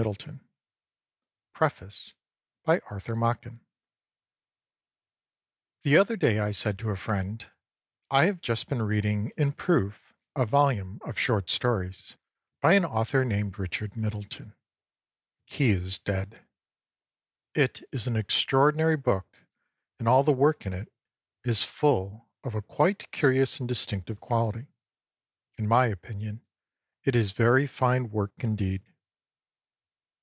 274061 PREFACE THE other day I said to a friend, "/ have just been reading in proof a volume of short stories by an author named Richard Middleton. He is dead. It is an extraordinary book, and all the work in it is full of a quite curious and dis tinctive quality. In my opinion it is very fine work indeed."